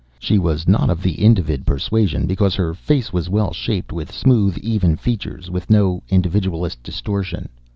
She was not of the Individ persuasion, because her face was well shaped, with smooth, even features, with no individualist distortion.